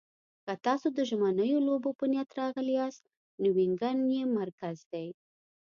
که تاسو د ژمنیو لوبو په نیت راغلي یاست، نو وینګن یې مرکز دی.